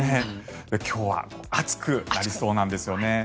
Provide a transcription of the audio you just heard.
今日は暑くなりそうなんですよね。